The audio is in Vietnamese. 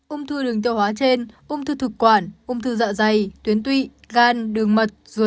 ung thư đường tiêu hóa trên ung thư thực quản ung thư dọ dày tuyến tuy gan đường mật ruột non